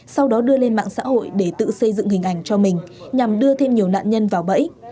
sau đó đưa lên mạng xã hội để tự xây dựng hình ảnh cho mình nhằm đưa thêm nhiều nạn nhân vào bẫy